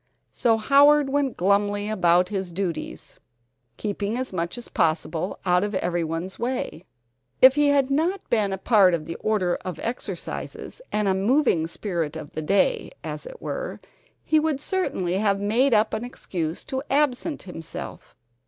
So Howard went glumly about his duties, keeping as much as possible out of everyone's way. If he had not been a part of the order of exercises, and a moving spirit of the day, as it were, he would certainly have made up an excuse to absent himself.